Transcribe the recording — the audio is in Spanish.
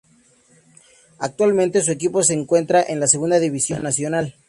Actualmente su equipo se encuentra en la segunda división nacional.